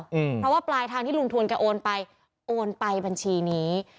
เพราะว่าปลายทางที่ลุงทวนแกโอนไปโอนไปบัญชีนี้